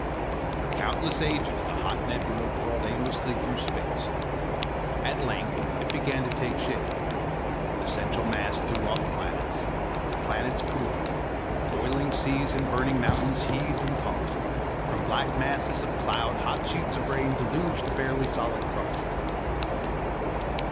"For countless ages the hot nebula whirled aimlessly through space. At length it began to take shape, the central mass threw off planets, the planets cooled, boiling seas and burning mountains heaved and tossed, from black masses of cloud hot sheets of rain deluged the barely solid crust.